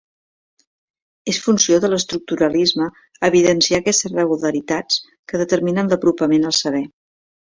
És funció de l'estructuralisme evidenciar aquestes regularitats que determinen l'apropament al saber.